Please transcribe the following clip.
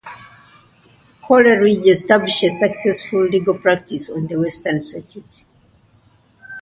Coleridge established a successful legal practice on the western circuit.